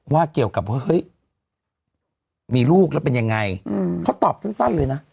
ว่าเกี่ยวกับมีลูกแล้วเป็นยังไงเขาตอบตั้งตั้งเลยน่ะ